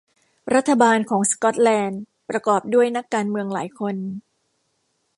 รัฐบาลของสกอตแลนด์ประกอบด้วยนักการเมืองหลายคน